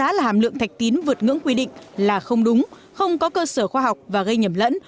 đó là hàm lượng thạch tín vượt ngưỡng quy định là không đúng không có cơ sở khoa học và gây nhầm lẫn